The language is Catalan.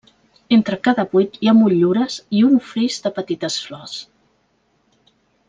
Entre cada buit hi ha motllures i un fris de petites flors.